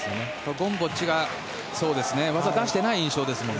ゴムボッチが技を出してない印象ですよね。